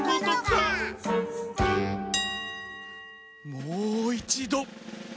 もういちど！